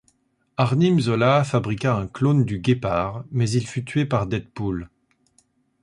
Arnim Zola fabriqua un clone du Guépard, mais il fut tué par Deadpool.